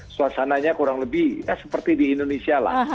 suasananya kurang lebih seperti di indonesia lah